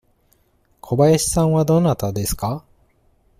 小林さんはどなたですか。